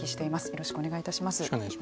よろしくお願いします。